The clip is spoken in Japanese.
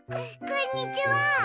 こんにちは！